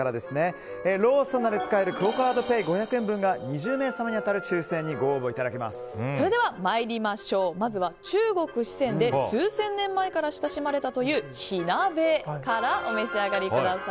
ローソンなどで使えるクオ・カードペイ５００円が２０名様に当たる抽選にそれでは、まずは中国・四川で数千年前から親しまれたという火鍋からお召し上がりください。